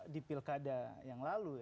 di pilkada yang lalu